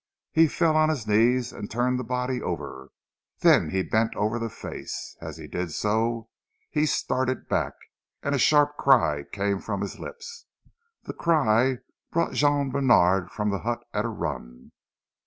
He fell on his knees and turned the body over, then he bent over the face. As he did so, he started back, and a sharp cry came from his lips. The cry brought Jean Bènard from the hut at a run.